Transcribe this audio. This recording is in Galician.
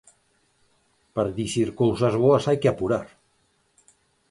Para dicir cousas boas hai que apurar.